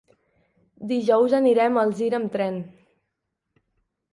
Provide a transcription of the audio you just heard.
Dijous anirem a Alzira amb tren.